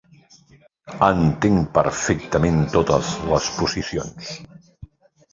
Entenc perfectament totes les posicions.